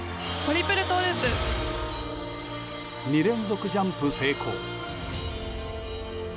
２連続ジャンプ成功。